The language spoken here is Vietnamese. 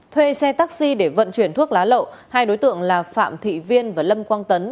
thuê xe taxi để vận chuyển thuốc lá lậu hai đối tượng là phạm thị viên và lâm quang tấn